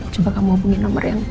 coba kamu hubungi nomor yang